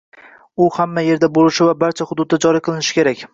u hamma yerda bo‘lishi va barcha hududda joriy qilinishi kerak.